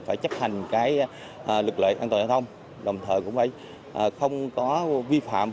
phải chấp hành lực lượng an toàn giao thông đồng thời cũng phải không có vi phạm